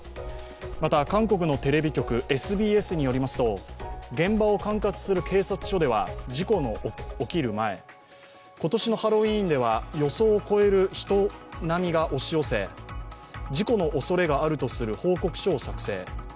また、韓国のテレビ局ＳＢＳによりますと現場を管轄する警察署では事故の起きる前、今年のハロウィーンでは予想を超える人波が押し寄せ、事故のおそれがあるとする報告書を作成。